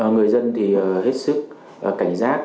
người dân thì hết sức cảnh giác